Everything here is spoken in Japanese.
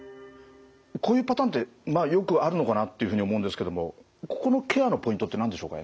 こういうパターンってまあよくあるのかなっていうふうに思うんですけどもここのケアのポイントって何でしょうか？